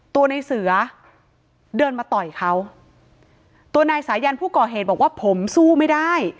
ตัวในเสือเดินมาต่อยเขาตัวนายสายันผู้ก่อเหตุบอกว่าผมสู้ไม่ได้